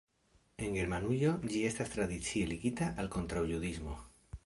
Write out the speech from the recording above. En Germanujo ĝi estas tradicie ligita al kontraŭjudismo.